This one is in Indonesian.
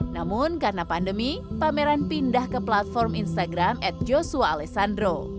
namun karena pandemi pameran pindah ke platform instagram at joshua alessandro